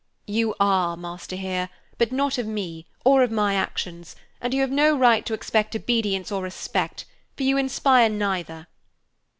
"You are master here, but not of me, or my actions, and you have no right to expect obedience or respect, for you inspire neither.